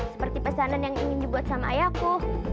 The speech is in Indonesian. seperti pesanan yang ingin dibuat sama ayahku